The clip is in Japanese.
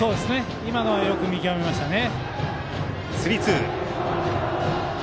今のはよく見極めましたね。